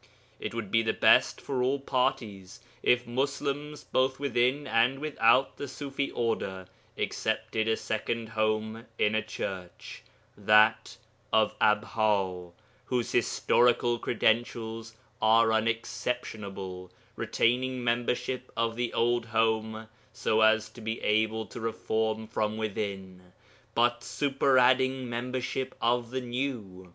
It would be the best for all parties if Muslims both within and without the Ṣufi Order accepted a second home in a church (that of Abha) whose historical credentials are unexceptionable, retaining membership of the old home, so as to be able to reform from within, but superadding membership of the new.